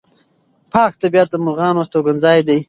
پاک طبیعت د مرغانو استوګنځی دی.